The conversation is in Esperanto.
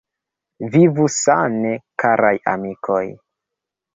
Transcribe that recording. Vivu sane, karaj amikoj!